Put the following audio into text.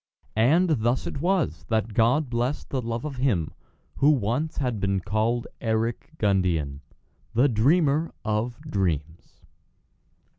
And thus it was that God blessed the Love of him who once had been called Eric Gundian, the Dreamer of Dreams.